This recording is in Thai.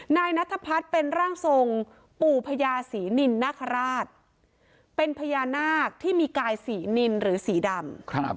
นายนัทพัฒน์เป็นร่างทรงปู่พญาศรีนินนคราชเป็นพญานาคที่มีกายสีนินหรือสีดำ